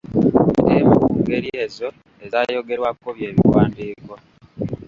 Emu ku ngeri ezo ezaayogerwako byebiwandiiko.